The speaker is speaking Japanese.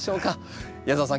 矢澤さん